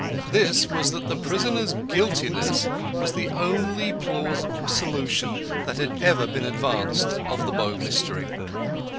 This was that the prisoner's guiltiness was the only plausible solution that had ever been advanced of the Bow Mystery.